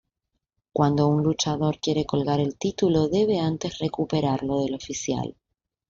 Cuando un luchador quiere colgar el título, debe antes recuperarlo del oficial.